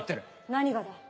何がだ？